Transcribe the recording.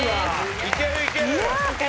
いけるいける。